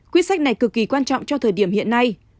quyết sách này cực kỳ quan trọng cho thời điểm hiện nay